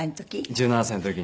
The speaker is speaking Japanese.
１７歳の時に。